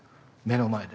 目の前で。